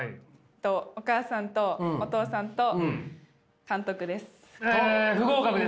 お母さんとお父さんと監督です。